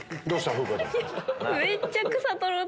風花ちゃん。